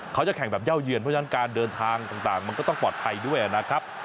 เขาจะแข่งแบบเย่าเยือนเพราะฉะนั้นการเดินทางต่างมันก็ต้องปลอดภัยด้วยนะครับ